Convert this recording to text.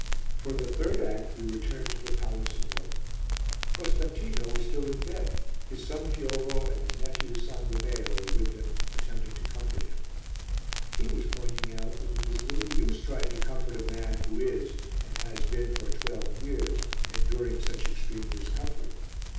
For the third act we returned to the palace in Rome. Costantino was still in bed, his son Fiovo and his nephew Sanguineo were with him attempting to comfort him; he was pointing out that it is little use trying to comfort a man who is, and has been for twelve years, enduring such extreme discomfort.